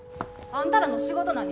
あんたらの仕事何？